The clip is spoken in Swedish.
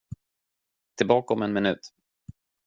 Tillbaka om en minut.